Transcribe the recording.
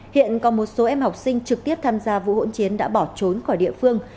hiện còn một số em học sinh trực tiếp tham gia vụ hỗn chiến đã bỏ trốn khỏi địa phương